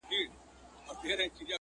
چي لمبې یې پورته کیږي له وزرو؛